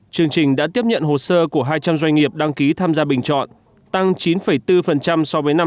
chương trình đã tiếp nhận hồ sơ của hai trăm linh doanh nghiệp đăng ký tham gia bình chọn tăng chín bốn so với năm hai nghìn một mươi tám